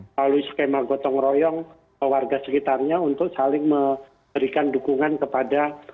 melalui skema gotong royong warga sekitarnya untuk saling memberikan dukungan kepada